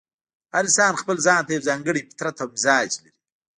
هر انسان ځپل ځان ته یو ځانګړی فطرت او مزاج لري.